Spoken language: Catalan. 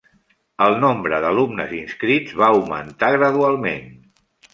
El nombre d'alumnes inscrits va augmentar gradualment.